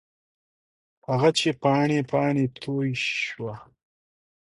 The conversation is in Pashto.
هغه چې پاڼې، پاڼې توی شوه